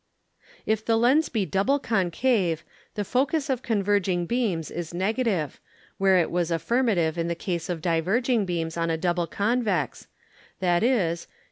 If the Lens be double Concave, the Focus of converging Beams is negative, where it was affirmative in the Case of diverging Beams on a double Convex, _viz.